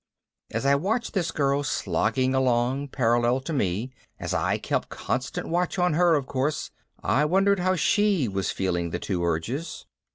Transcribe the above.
As I watched this girl slogging along parallel to me, as I kept constant watch on her of course, I wondered how she was feeling the two urges.